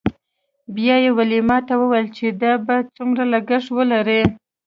بیا یې ویلما ته وویل چې دا به څومره لګښت ولري